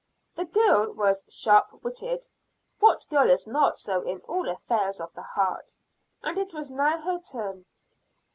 The girl was sharp witted what girl is not so in all affairs of the heart? and it was now her turn.